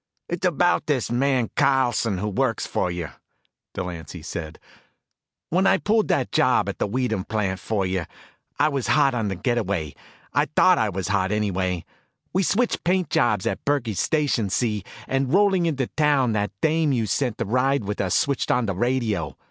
"It's about this man Carlson who works for you," Delancy said. "When I pulled that job at the Weedham plant for you, I was hot on the get away. I thought I was hot, anyway. We switched paint jobs at Burkey's station, see, and rolling into town that dame you sent to ride with us switched on the radio.